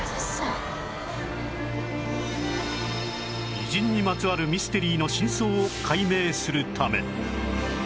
偉人にまつわるミステリーの真相を解明するため